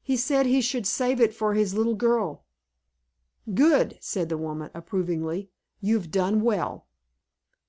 "He said he should save it for his little girl." "Good," said the woman, approvingly; "you've done well."